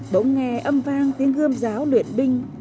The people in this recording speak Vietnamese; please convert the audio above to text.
bỗng nghe âm vang tiếng gươm giáo luyện binh